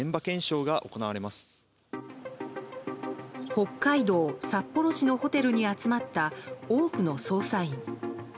北海道札幌市のホテルに集まった多くの捜査員。